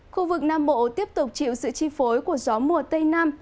khu vực nam bộ tiếp tục chịu sự chi phối của gió mùa tây nam